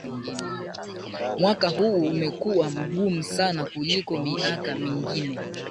Mwaka huu umekuwa mgumu sana kuliko miaka mingine